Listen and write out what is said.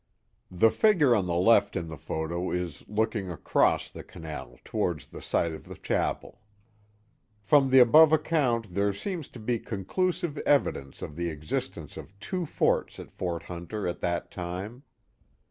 The figure on the left in the photo is looking across the canal towards the site of the cliapel. From the above account there seems to be conclusive evi dence of the existence of two forts at Fort Hunter at that time.